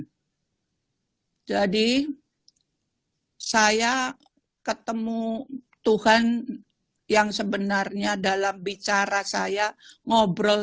hai jadi saya ketemu tuhan yang sebenarnya dalam bicara saya ngobrol